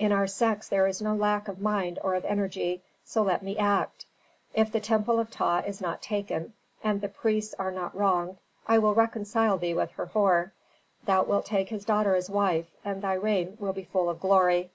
In our sex there is no lack of mind or of energy, so let me act. If the temple of Ptah is not taken, and the priests are not wronged I will reconcile thee with Herhor. Thou wilt take his daughter as wife, and thy reign will be full of glory.